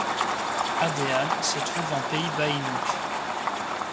Adéane se trouve en pays baïnouk.